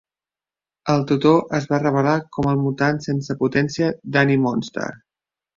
El tutor es va revelar com al mutant sense potència Dani Moonstar.